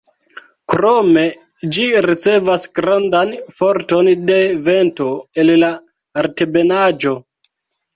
Krome ĝi ricevas grandan forton de vento el la Altebenaĵo.